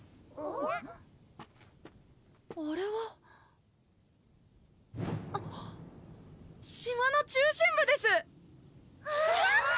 あれは島の中心部です！